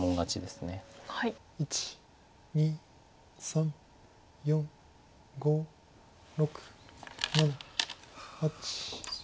１２３４５６７８。